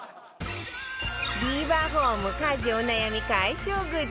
ビバホーム家事お悩み解消グッズ